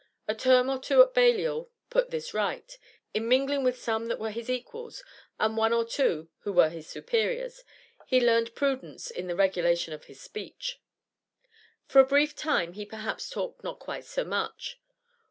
A term or two at Balliol put this right; in mingling with some that were his equals, and one or two who were his superiors, he learned prudence in the regulation of his speech. For a brief time he perhaps talked not quite so much.